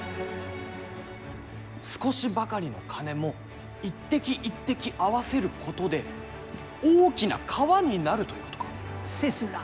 少しばかりの金も１滴１滴、集まることで大きな川になるということか。